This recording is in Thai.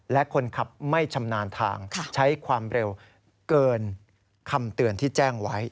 และคนขับไม่ชำนาญทางใช้ความเร็วเกินคำเตือนที่แจ้งไว้